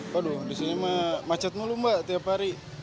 waduh disini mah macet mulu mbak tiap hari